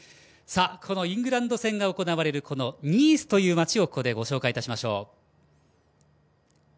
このイングランド戦が行われるニースという町をご紹介しましょう。